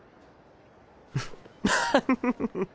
フッフフフ。